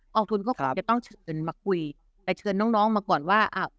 องทุนก็คงจะต้องเชิญมาคุยแต่เชิญน้องน้องมาก่อนว่า